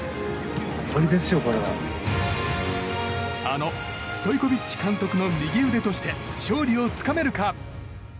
あのストイコビッチ監督の右腕として勝利をつかめるか。